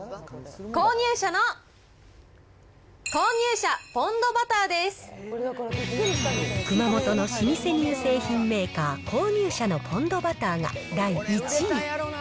そんな中、弘熊本の老舗乳製品メーカー、弘乳舎のポンドバターが第１位。